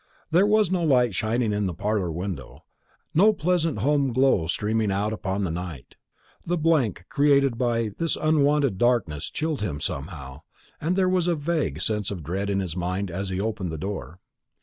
There was no light shining in the parlour window, no pleasant home glow streaming out upon the night. The blank created by this unwonted darkness chilled him somehow, and there was a vague sense of dread in his mind as he opened the door.